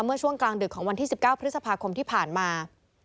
เมื่อช่วงกลางดึกของวันที่๑๙พฤษภาคมที่ผ่านมา